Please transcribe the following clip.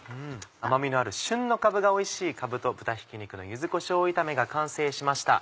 甘みのある旬のかぶがおいしいかぶと豚ひき肉の柚子こしょう炒めが完成しました。